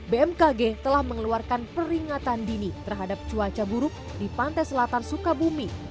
bmkg telah mengeluarkan peringatan dini terhadap cuaca buruk di pantai selatan sukabumi